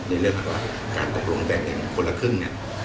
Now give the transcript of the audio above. ในเรื่องของการตกลงแบ่งกันคนละครึ่งเนี่ย